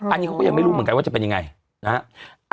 อันนี้เขาก็ยังไม่รู้เหมือนกันว่าจะเป็นยังไงนะฮะ